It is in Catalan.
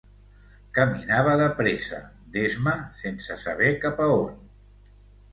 Caminava de pressa, d'esma, sense saber cap a on.